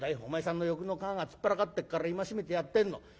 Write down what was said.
お前さんの欲の皮が突っ張らかってっから戒めてやってんの。